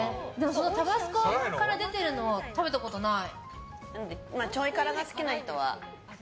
タバスコから出てるのは食べたことない。